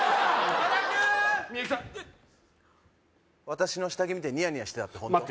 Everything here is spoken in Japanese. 私の下着見てニヤニヤしてたってホント？